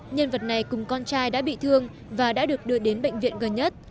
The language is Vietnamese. nhân vật này cùng con trai đã bị thương và đã được đưa đến bệnh viện gần nhất